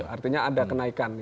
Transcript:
artinya ada kenaikan